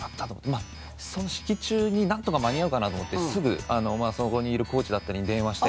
まあその式中になんとか間に合うかなと思ってすぐそこにいるコーチだったりに電話して。